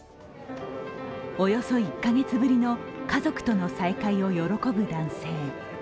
およそ１カ月ぶりの家族との再会を喜ぶ男性。